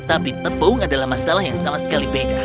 tapi tepung adalah masalah yang sama sekali beda